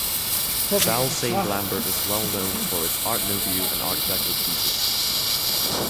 Val Saint Lambert is well known for its Art Nouveau and Art Deco pieces.